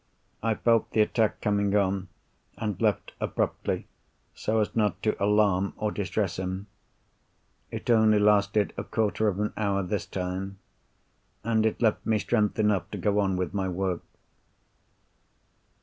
I felt the attack coming on, and left abruptly, so as not to alarm or distress him. It only lasted a quarter of an hour this time, and it left me strength enough to go on with my work.